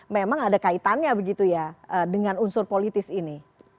memang ada kaitannya begitu ya dengan unsur politis ini